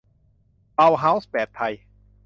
เบาเฮาส์แบบไทย